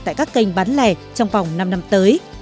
tại các kênh bán lẻ trong vòng năm năm tới